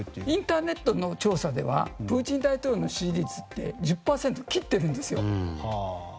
インターネットの調査ではプーチン大統領の支持率って１０％切ってるんですよ。